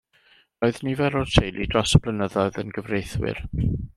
Roedd nifer o'r teulu dros y blynyddoedd yn gyfreithwyr.